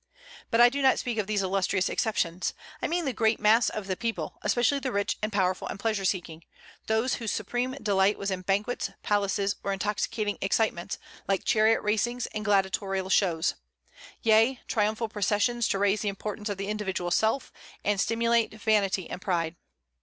But I do not speak of these illustrious exceptions; I mean the great mass of the people, especially the rich and powerful and pleasure seeking, those whose supreme delight was in banquets, palaces, or intoxicating excitements, like chariot racings and gladiatorial shows; yea, triumphal processions to raise the importance of the individual self, and stimulate vanity and pride.